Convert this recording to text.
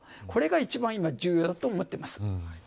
これが一番今、重要だと思ってます。